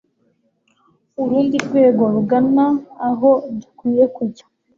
Urundi rwego ruganaaho du kwiye kujya